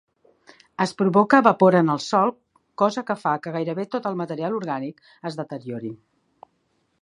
Es provoca vapor en el sòl, cosa que fa que gaire bé tot el material orgànic es deteriori.